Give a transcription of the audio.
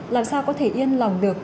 làm sao có thể yên lòng được